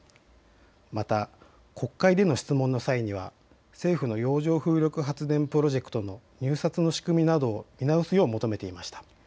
また国会での質問の際には政府の洋上風力発電プロジェクトの入札の仕組みなどを見直すよう求めていました。